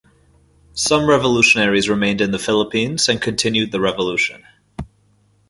Some revolutionaries remained in the Philippines and continued the revolution.